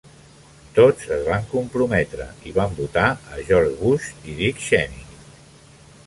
Tots es van comprometre i van votar a George Bush i Dick Cheney.